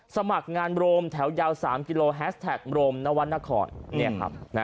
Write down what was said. สมัครงานโรมแถวยาว๓กิโลแฮสแท็กโรมนวรรณคร